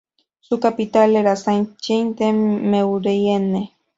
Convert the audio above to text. Su capital era Saint-Jean-de-Maurienne.